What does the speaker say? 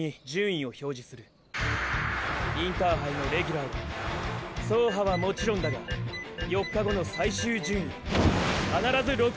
インターハイのレギュラーは走破はもちろんだが４日後の最終順位必ず６位以内でゴールしろ！